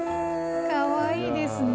かわいいですね。